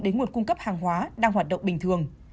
đến nguồn cung cấp hàng hóa đang hoạt động bình thường